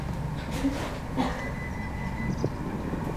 后被举荐为孝廉。